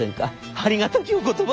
「ありがたきお言葉。